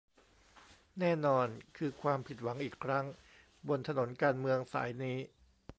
แน่นอนคือความผิดหวังอีกครั้งบนถนนการเมืองสายนี้